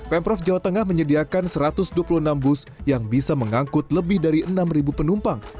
pemprov jawa tengah menyediakan satu ratus dua puluh enam bus yang bisa mengangkut lebih dari enam penumpang